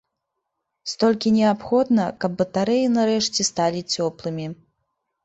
Столькі неабходна, каб батарэі нарэшце сталі цёплымі.